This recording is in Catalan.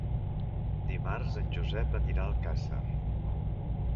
Dimarts en Josep anirà a Alcàsser.